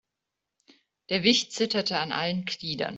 Der Wicht zitterte an allen Gliedern.